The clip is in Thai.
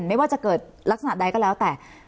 ไม่ว่าจะเกิดลักษณะใดก็แล้วแต่